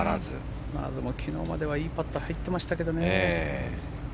コナーズも昨日まではいいパット入ってましたけどね。